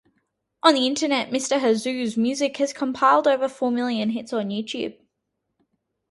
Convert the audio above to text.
On the Internet, Mr. Hazo's music has compiled over four million hits on YouTube.